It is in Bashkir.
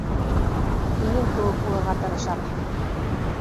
Һинең кеүек булырға тырышам.